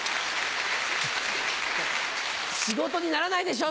仕事にならないでしょ！